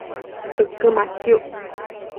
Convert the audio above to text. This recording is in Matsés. ëquë matsiuc